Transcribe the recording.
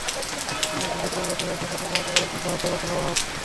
বিপরীতে বিদ্রোহী প্রার্থী হয়েছেন একই কমিটির আরেক যুগ্ম আহ্বায়ক আবদুল ওহাব।